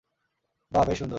বাহ, বেশ সুন্দর!